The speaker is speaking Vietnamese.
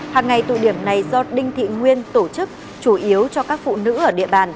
hàng ngày tụ điểm này do đinh thị nguyên tổ chức chủ yếu cho các phụ nữ ở địa bàn